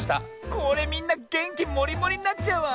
これみんなげんきもりもりになっちゃうわ！